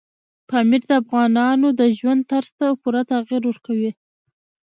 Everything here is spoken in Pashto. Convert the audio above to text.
پامیر د افغانانو د ژوند طرز ته پوره تغیر ورکوي.